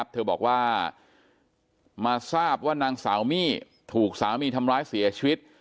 เธอบอกว่ามาทราบว่านางสาวมี่ถูกสามีทำร้ายเสียชีวิต